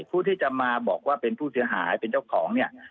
ผู้ที่จะมาบอกว่าเป็นผู้เสียหายเป็นเจ้าของเนี่ย